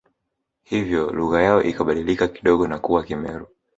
Hivyo lugha yao ikabadilika kidogo na kuwa Kimeru